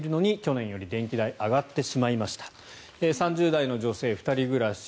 ４０代の女性、１人暮らし。